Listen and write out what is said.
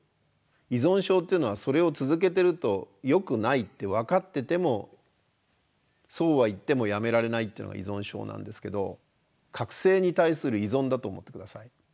依存症っていうのはそれを続けてるとよくないって分かっててもそうはいってもやめられないというのが依存症なんですけど覚醒に対する依存だと思って下さい。